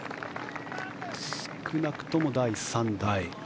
少なくとも第３打。